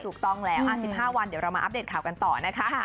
ถูกต้องแล้ว๑๕วันเดี๋ยวเรามาอัปเดตข่าวกันต่อนะคะ